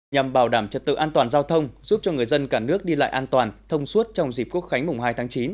nhằm bảo đảm trật tự an toàn giao thông giúp cho người dân cả nước đi lại an toàn thông suốt trong dịp quốc khánh mùng hai tháng chín